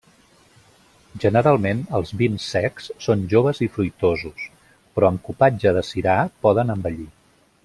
Generalment els vins secs són joves i fruitosos, però amb cupatge de sirà poden envellir.